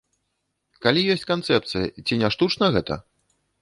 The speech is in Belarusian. Калі ёсць канцэпцыя, ці не штучна гэта?